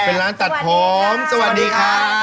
เป็นร้านตัดผมสวัสดีครับ